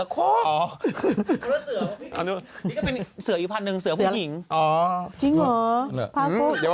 บ้าเสือเคาะ